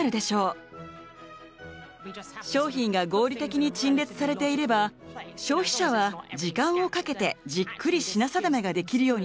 商品が合理的に陳列されていれば消費者は時間をかけてじっくり品定めができるようになりますよね。